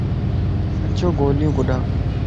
اچو گوليو ڪڏا ن